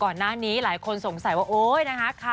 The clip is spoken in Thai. ก่อนหน้านี้หลายคนสงสัยว่าโอ๊ยนะฮะ